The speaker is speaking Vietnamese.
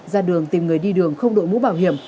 ra đường tìm người đi đường không đội mũ bảo hiểm